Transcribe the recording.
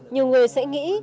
nhiều người sẽ nghĩ